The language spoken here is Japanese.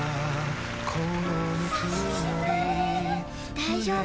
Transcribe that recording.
大丈夫。